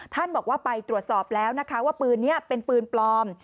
บอกว่าไปตรวจสอบแล้วนะคะว่าปืนนี้เป็นปืนปลอม